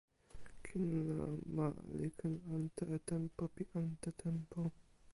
kin la, ma li ken ante e tenpo pi ante tenpo.